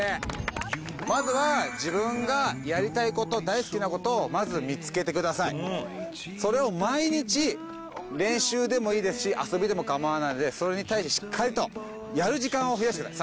まずは自分がやりたいこと大好きなことをまず見つけてくださいそれを毎日練習でもいいですし遊びでもかまわないのでそれに対してしっかりとやる時間を増やしてください